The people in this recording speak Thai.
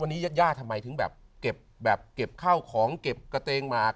วันนี้ญาติย่าทำไมถึงแบบเก็บแบบเก็บข้าวของเก็บกระเตงหมาก